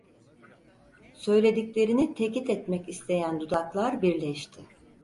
Söylediklerini tekit etmek isteyen dudaklar birleşti.